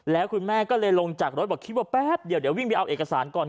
แล้วคุณแม่ก็เลยลงจากรถบอกคิดว่าแป๊บเดียวเดี๋ยววิ่งไปเอาเอกสารก่อน